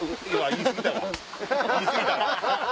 言い過ぎたわ！